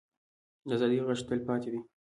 د ازادۍ غږ تلپاتې دی